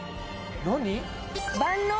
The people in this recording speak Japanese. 何？